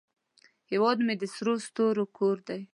هیواد مې د سرو ستورو کور دی